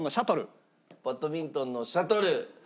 バドミントンのシャトル。